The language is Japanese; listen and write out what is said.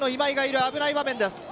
危ない場面です。